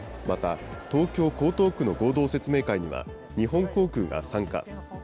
また、東京・江東区の合同説明会には、日本航空が参加。